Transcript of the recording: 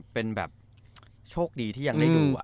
เป็นแบบโชคดีที่ยังได้ดู